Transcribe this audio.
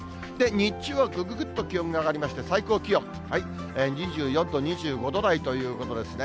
日中はぐぐぐっと気温が上がりまして、最高気温、２４度、２５度台ということですね。